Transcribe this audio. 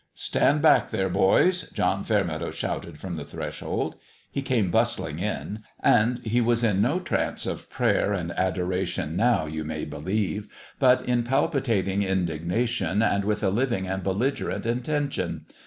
" Stand back there, boys !" John Fairmeadow shouted from the threshold. He came bustling in. And he was in no trance of prayer and A MIRACLE at PALE PETER'S 307 adoration, now, you may believe, but in palpi tating indignation, and with a living and bellig erent intention.